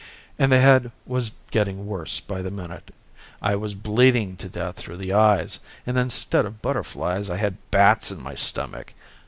And the head was getting worse by the minute. I was bleeding to death through the eyes and instead of butterflies I had bats in my stomach.